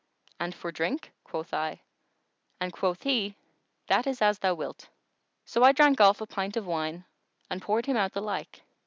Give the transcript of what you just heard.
"And for drink?" quoth I, and quoth he, "That is as thou wilt." So I drank off a pint of wine and poured him out the like.